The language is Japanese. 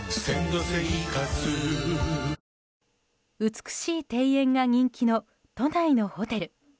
美しい庭園が人気の都内のホテル。